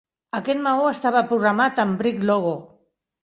Aquest maó estava programat en Brick Logo.